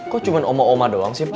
kok cuma oma oma doang sih pak